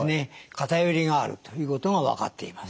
偏りがあるということが分かっています。